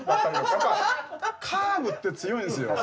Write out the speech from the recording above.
やっぱカーブって強いんですよ。